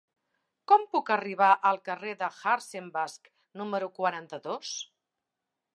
Com puc arribar al carrer de Hartzenbusch número quaranta-dos?